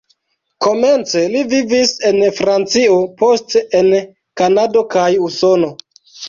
Komence li vivis en Francio, poste en Kanado kaj Usono.